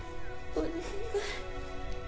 お願い